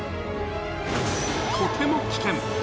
とても危険。